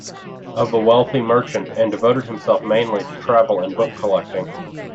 of a wealthy merchant, and devoted himself mainly to travel and book collecting.